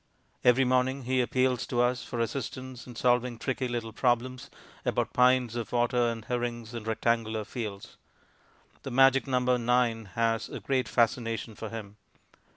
Every morning he appeals to us for assistance in solving tricky little problems about pints of water and herrings and rectangular fields. The magic number "9" has a great fascination for him.